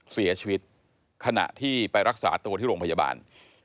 เสียชีวิตขณะที่ไปรักษาตัวที่โรงพยาบาล